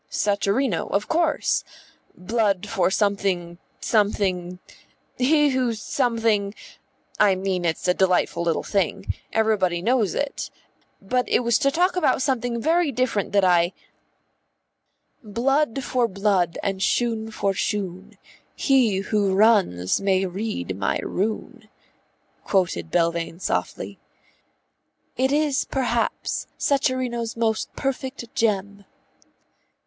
"Sacharino, of course. 'Blood for something, something He who something ' I mean, it's a delightful little thing. Everybody knows it. But it was to talk about something very different that I " "Blood for blood and shoon for shoon, He who runs may read my rune," quoted Belvane softly. "It is perhaps Sacharino's most perfect gem."